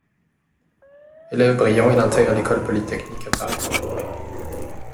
Élève brillant, il intègre l'Ecole polytechnique à Paris.